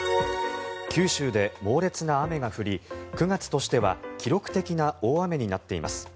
九州で猛烈な雨が降り９月としては記録的な大雨になっています。